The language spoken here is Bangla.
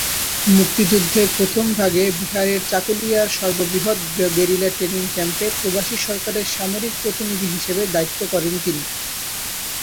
মুক্তিযুদ্ধের প্রথম ভাগে বিহারের চাকুলিয়ায় সর্ববৃহৎ গেরিলা ট্রেনিং ক্যাম্পে প্রবাসী সরকারের সামরিক প্রতিনিধি হিসেবে দায়িত্ব করেন তিনি।